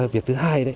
việc thứ hai